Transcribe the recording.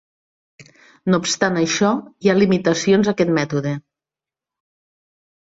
No obstant això, hi ha limitacions a aquest mètode.